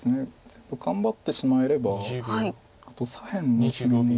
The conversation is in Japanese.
全部頑張ってしまえればあと左辺の何が何だか。